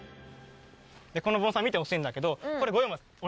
この盆栽見てほしいんだけどこれ。